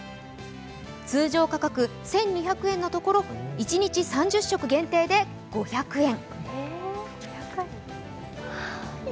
通常価格１２００円のところ、一日３０食限定で５００円。